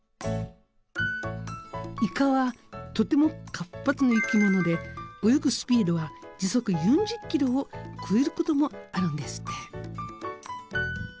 イカはとても活発な生き物で泳ぐスピードは時速４０ｋｍを超えることもあるんですって。